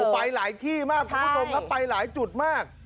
ไปหลายที่มากคุณผู้ชมครับไปหลายจุดมาก